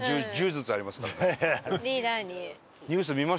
リーダーに。